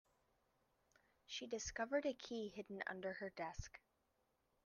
She discovered a key hidden under her desk.